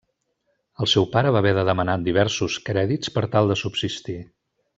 El seu pare va haver de demanar diversos crèdits per tal de subsistir.